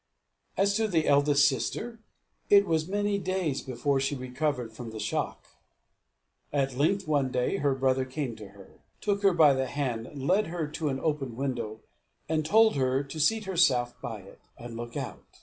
As to the eldest sister, it was many days before she recovered from the shock. At length, one day, her brother came to her, took her by the hand, led her to an open window, and told her to seat herself by it, and look out.